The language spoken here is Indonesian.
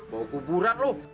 bau kuburat lo